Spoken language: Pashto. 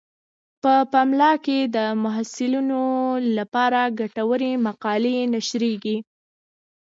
په پملا کې د محصلینو لپاره ګټورې مقالې نشریږي.